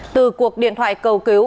từ cuộc điện thoại cầu cứu